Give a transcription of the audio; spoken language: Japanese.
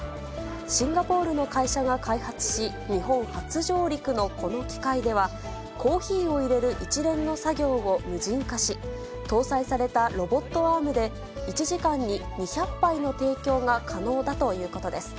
シンガポールの会社が開発し、日本初上陸のこの機械では、コーヒーをいれる一連の作業を無人化し、搭載されたロボットアームで、１時間に２００杯の提供が可能だということです。